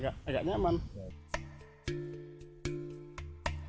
kabupaten sambas kalimantan barat